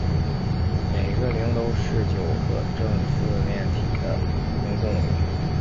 每个棱都是九个正四面体的公共棱。